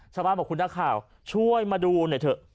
ชาวบ้านบอกคุณนักข่าวช่วยมาดูหน่อยเถอะ